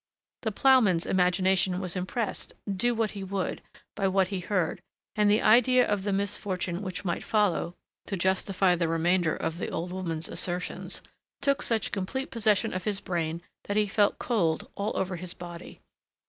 The ploughman's imagination was impressed, do what he would, by what he heard, and the idea of the misfortune which might follow, to justify the remainder of the old woman's assertions, took such complete possession of his brain that he felt cold all over his body.